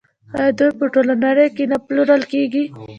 آیا دوی په ټوله نړۍ کې نه پلورل کیږي؟